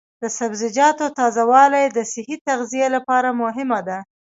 د سبزیجاتو تازه والي د صحي تغذیې لپاره مهمه ده.